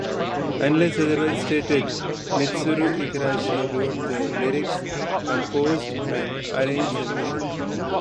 Unless otherwise stated, Mitsuru Igarashi wrote the lyrics, composed and arranged the music.